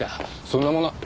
そんなものは。